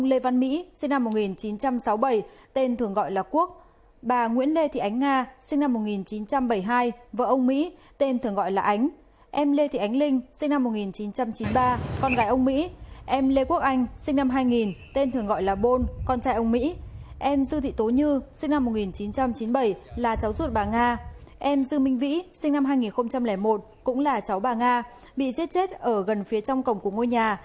em dư minh vĩ sinh năm hai nghìn một cũng là cháu bà nga bị giết chết ở gần phía trong cổng của ngôi nhà